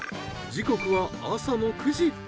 時刻は朝の９時。